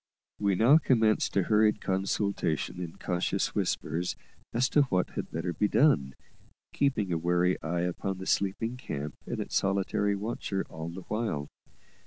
We now commenced a hurried consultation in cautious whispers as to what had better be done, keeping a wary eye upon the sleeping camp and its solitary watcher all the while.